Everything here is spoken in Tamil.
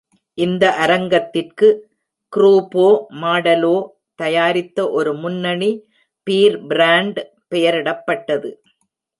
இந்த அரங்கத்திற்கு க்ரூபோ மாடலோ தயாரித்த ஒரு முன்னணி பீர் பிராண்ட் பெயரிடப்பட்டது.